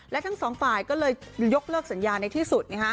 และทั้งสองฝ่ายก็เลยยกเลิกสัญญาในที่สุด